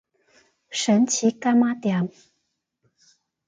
神奇柑仔店